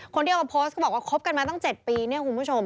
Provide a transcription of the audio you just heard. คนที่เอามาโพสต์เขาบอกว่าคบกันมาตั้ง๗ปีเนี่ยคุณผู้ชม